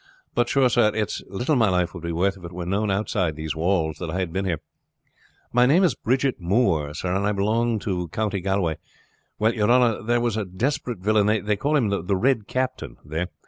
But, sure, sir, it's little my life would be worth if it were known outside these walls that I had been here. My name is Bridget Moore, sir, and I belong to County Galway. Well, your honor, there was a desperate villain, they call the Red Captain, there.